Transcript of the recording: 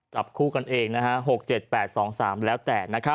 จับคนเองนะฮะ๖๗๘๒๓แล้วแต่นะฮะ